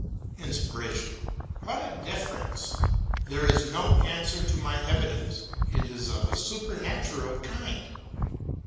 "INSPIRATION: What a difference! There is no answer to my evidence; it is of a supernatural kind.